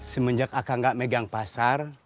semenjak aka gak megang pasar